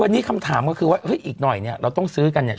วันนี้คำถามก็คือว่าเฮ้ยอีกหน่อยเนี่ยเราต้องซื้อกันเนี่ย